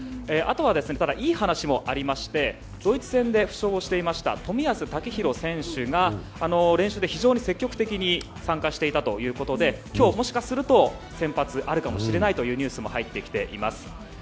ただ、いい話もありましてドイツ戦で負傷をしていました冨安健洋選手が練習に非常に積極的に参加していたということで今日、もしかすると先発、あるかもしれないというニュースも入ってきています。